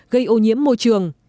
gây ô nhiễm môi trường